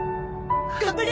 頑張れ！